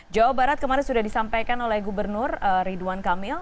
jawa barat kemarin sudah disampaikan oleh gubernur ridwan kamil